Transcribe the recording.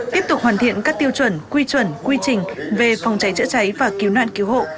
tiếp tục hoàn thiện các tiêu chuẩn quy chuẩn quy trình về phòng cháy chữa cháy và cứu nạn cứu hộ